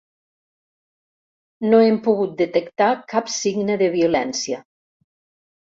No hem pogut detectar cap signe de violència.